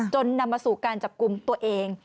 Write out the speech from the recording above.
นำมาสู่การจับกลุ่มตัวเอง